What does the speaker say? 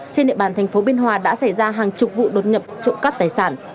trên địa bàn tp biên hòa đã xảy ra hàng chục vụ đột nhập trộm cắt tài sản